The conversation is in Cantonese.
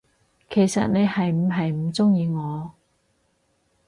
其實你係唔係唔鍾意我，？